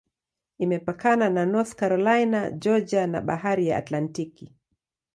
Imepakana na North Carolina, Georgia na Bahari ya Atlantiki.